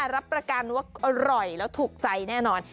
รับประกันว่าอร่อยแล้วถูกใจแน่นอน